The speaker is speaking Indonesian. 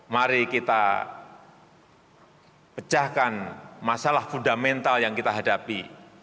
mari kita pecahkan masalah fundamental yang kita hadapi